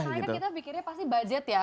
karena kan kita pikirnya pasti budget ya